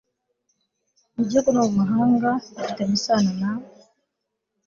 mu Gihugu no mu mahanga bifitanye isano na